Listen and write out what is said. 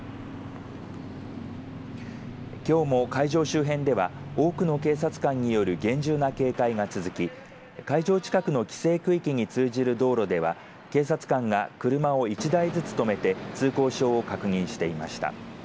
きょうも会場周辺では多くの警察官による厳重な警戒が続き会場近くの規制区域に通じる道路では警察官が車を１台ずつ止めて通行証を確認していました。